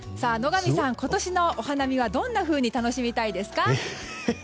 野上さん、今年のお花見はどんなふうに楽しみたいですか？